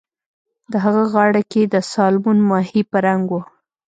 د هغه غاړه کۍ د سالمون ماهي په رنګ وه